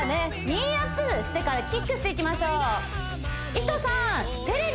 ニーアップしてからキックしていきましょういとさん